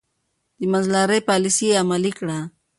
د منځلارۍ پاليسي يې عملي کړه.